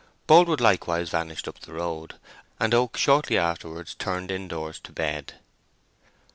Boldwood likewise vanished up the road, and Oak shortly afterwards turned indoors to bed.